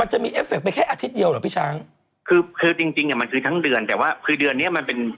จะมีเอฟเคไปแค่อาทิตย์เดียวเหรอพี่ช้างคือคือจริงจริงอ่ะมันคือทั้งเดือนแต่ว่าคือเดือนเนี้ยมันเป็น